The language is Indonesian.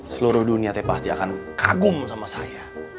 seluruh dunia pasti akan kagum sama saya